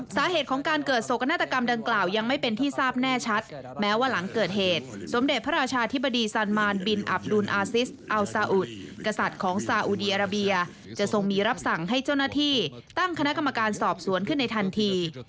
สาเหตุของการเกิดโศกนาฏกรรมดังกล่าวยังไม่เป็นที่ทราบแน่ชัดแม้ว่าหลังเกิดเหตุสมเด็จพระราชาธิบดีซานมานบินอับดุลอาซิสอัลซาอุดกษัตริย์ของซาอุดีอาราเบียจะทรงมีรับสั่งให้เจ้าหน้าที่ตั้งคณะกรรมการสอบสวนขึ้นในทันที